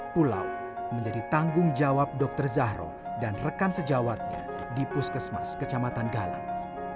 pulau menjadi tanggung jawab dokter zahro dan rekan sejawatnya di puskesmas kecamatan galang